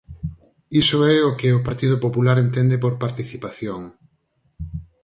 Iso é o que o Partido Popular entende por participación.